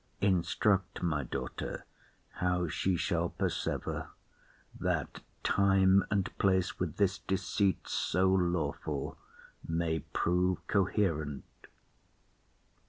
Instruct my daughter how she shall persever, That time and place with this deceit so lawful May prove coherent.